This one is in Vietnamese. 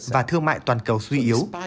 và thương mại toàn cầu suy yếu